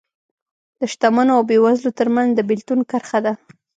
د شتمنو او بېوزلو ترمنځ د بېلتون کرښه ده